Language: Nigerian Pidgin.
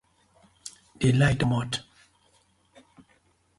DI light don komot.